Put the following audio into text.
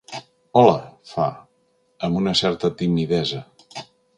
Hola —fa, amb una certa timidesa.